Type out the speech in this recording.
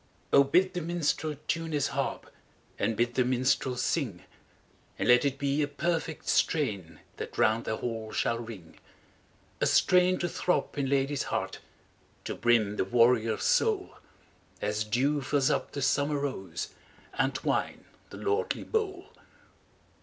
BID the minstrel tune his haxp, And bid the minstrel sing; And let it be a perfect strain That round the hall shall ring : A strain to throb in lad/s heart, To brim the warrior's soul. As dew fills up the summer rose And wine the lordly bowl